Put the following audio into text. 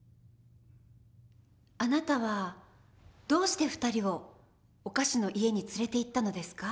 あなたはどうして２人をお菓子の家に連れていったのですか？